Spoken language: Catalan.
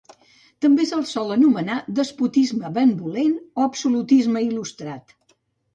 També se'l sol anomenar despotisme benvolent o absolutisme il·lustrat.